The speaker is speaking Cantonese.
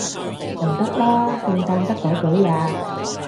唔得啦，聖誕得嗰幾日